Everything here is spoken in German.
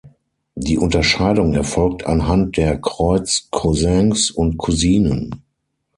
Die Unterscheidung erfolgt anhand der Kreuz-Cousins und -Cousinen.